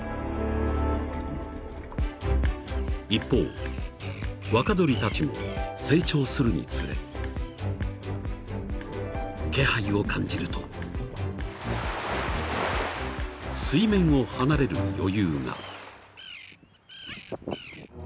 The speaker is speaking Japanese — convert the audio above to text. ［一方若鳥たちも成長するにつれ気配を感じると水面を離れる余裕が］